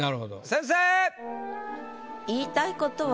先生！